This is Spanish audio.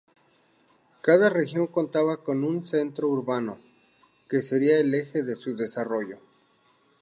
Cada región contaba con un centro urbano que sería el eje de su desarrollo.